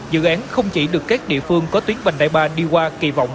dự án không chỉ được các địa phương có tuyến vành đại ba đi qua kỳ vọng